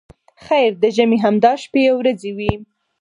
خیر د ژمي همدا شپې او ورځې وې.